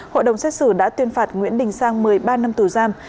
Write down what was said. hội đồng xét xử đã tuyên phạt nguyễn đình sang một mươi ba năm tù giam